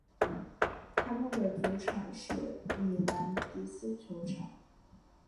他们的主场是米兰迪斯球场。